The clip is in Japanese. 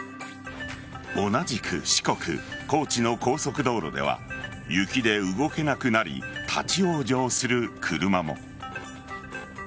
同じく四国・高知の高速道路では雪で動けなくなり立ち往生する車も。